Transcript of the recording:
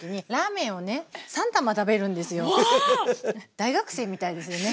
大学生みたいですよね。